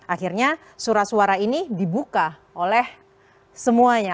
akhirnya surat suara ini dibuka oleh semuanya